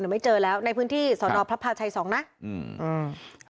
ไม่เจอแล้วในพื้นที่สอนอพระพาชัยสองนะอืมอืม